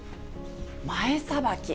前さばき。